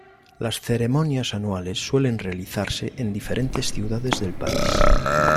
Las ceremonias anuales suelen realizarse en diferentes ciudades del país.